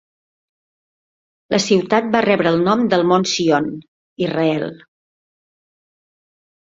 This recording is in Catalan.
La ciutat va rebre el nom del Mont Sion, Israel.